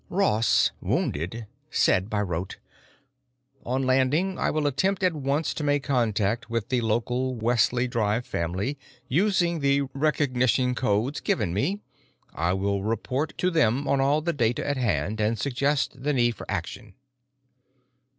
Ross, wounded, said by rote: "On landing, I will attempt at once to make contact with the local Wesley Drive family, using the recognition codes given me. I will report to them on all the data at hand and suggest the need for action."